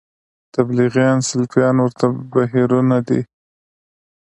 تبلیغیان سلفیان ورته بهیرونه دي